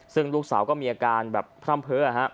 ซึ่งลูกสาวก็มีอาการแบบพร่ำเพ้อฮะ